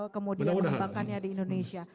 kemudian mengembangkannya di indonesia